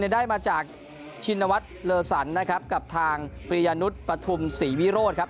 ได้มาจากชินวัฒน์เลอสันนะครับกับทางปริยานุษย์ปฐุมศรีวิโรธครับ